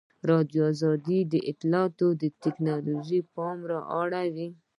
ازادي راډیو د اطلاعاتی تکنالوژي ته پام اړولی.